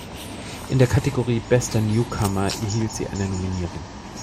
In der Kategorie „Bester Newcomer“ erhielt sie eine Nominierung.